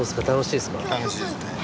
楽しいですね。